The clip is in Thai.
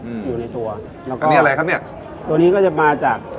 อืมอยู่ในตัวแล้วก็นี่อะไรครับเนี้ยตัวนี้ก็จะมาจาก